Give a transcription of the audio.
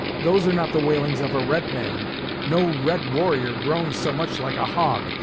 Those are not the wailings of a red man! no red warrior groans so much like a hog.